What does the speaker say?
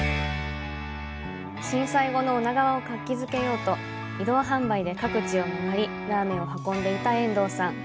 震災後の女川を活気づけようと、移動販売で各地を回り、ラーメンを運んでいた遠藤さん。